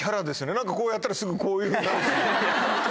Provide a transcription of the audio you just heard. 何かこうやったらすぐこういうふうになるし。